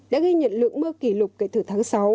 đã ghi nhận lượng mưa kỷ lục kể từ tháng sáu